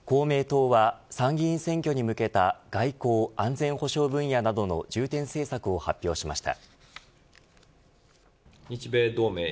公明党は参議院選挙に向けた外交安全保障分野などの重点政策を発表しました。